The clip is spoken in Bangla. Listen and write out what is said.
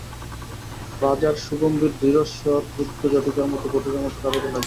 রাজার সুগম্ভীর দৃঢ়স্বর রুদ্ধ ঝটিকার মতো কুটিরের মধ্যে কাঁপিতে লাগিল।